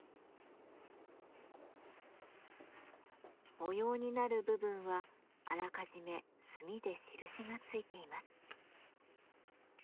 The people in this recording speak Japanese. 模様になる部分はあらかじめ墨で印が付いています。